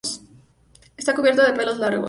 Está cubierto de pelos largos.